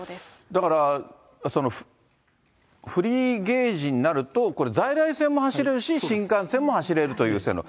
だから、フリーゲージになると、これ、在来線も走れるし、新幹線も走れるという線路。